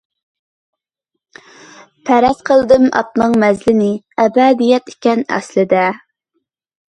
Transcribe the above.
پەرەز قىلدىم ئاتنىڭ مەنزىلى، ئەبەدىيەت ئىكەن ئەسلىدە.